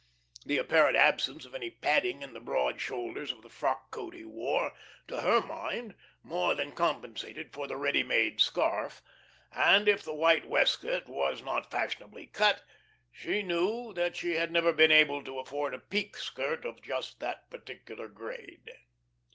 The apparent absence of any padding in the broad shoulders of the frock coat he wore, to her mind, more than compensated for the "ready made" scarf, and if the white waistcoat was not fashionably cut, she knew that she had never been able to afford a pique skirt of just that particular grade.